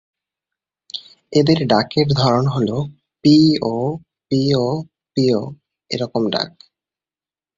এদের ডাকের ধরন হল "পি---ও পি---ও পি---ও" এরকম ডাক।